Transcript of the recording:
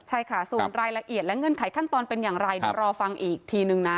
ใช่ค่ะส่วนรายละเอียดและเงื่อนไขขั้นตอนเป็นอย่างไรเดี๋ยวรอฟังอีกทีนึงนะ